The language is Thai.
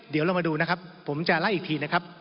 เดี๋ยวเรามาดูนะครับผมจะไล่อีกทีนะครับ